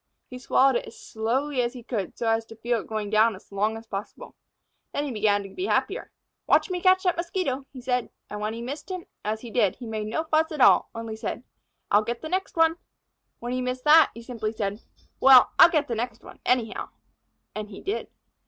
He swallowed it as slowly as he could, so as to feel it going down as long as possible. Then he began to be happier. "Watch me catch that Mosquito," he said. And when he missed him, as he did, he made no fuss at all only said: "I'll get the next one!" When he missed that he simply said: "Well, I'll get the next one, anyhow!" And he did.